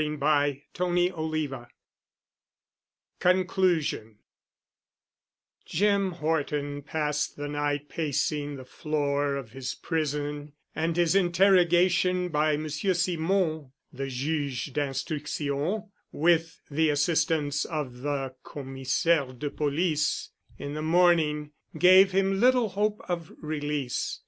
*CHAPTER XXV* *CONCLUSION* Jim Horton passed the night pacing the floor of his prison, and his interrogation by Monsieur Simon, the Juge d'Instruction, with the assistance of the Commissaire de Police in the morning gave him little hope of release.